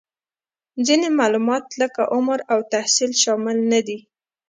ځینې معلومات لکه عمر او تحصیل شامل نهدي